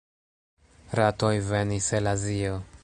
Ratoj venis el Azio.